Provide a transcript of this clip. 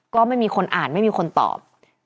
ก็ไม่มีคนอ่านไม่มีคนตอบ